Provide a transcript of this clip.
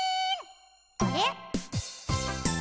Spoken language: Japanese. あれ？